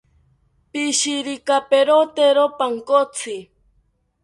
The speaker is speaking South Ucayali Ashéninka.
Pishirikaperotero pankotzi